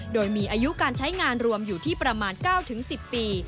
โดยมีอายุการใช้งานรวมอยู่ที่ประมาณ๙๑๐ปี